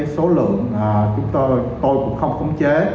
số lượng tôi cũng không khống chế